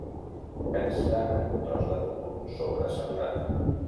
Pensa en un tros de núvol sobresaturat.